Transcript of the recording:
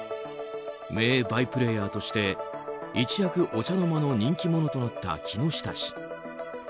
名バイプレーヤーとして、一躍お茶の間の人気者となった木下氏。